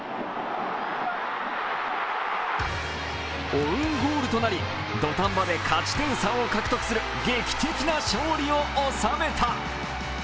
オウンゴールとなり、土壇場で勝ち点３を獲得する劇的な勝利を収めた。